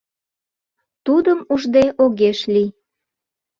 Тудым ужде огеш лий.